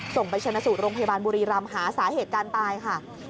ไปชนะสูตรโรงพยาบาลบุรีรำหาสาเหตุการณ์ตายค่ะ